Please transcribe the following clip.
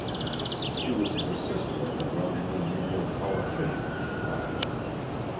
She was the sister of a well known Negro politician of Chicago.